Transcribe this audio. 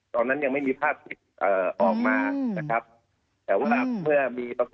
ตรงนั้นไม่มีภาคถิกออกมานะครับ